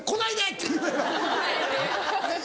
って。